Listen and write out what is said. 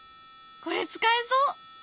これ使えそう！